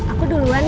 aku duluan ya